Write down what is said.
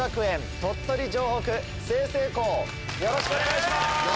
よろしくお願いします！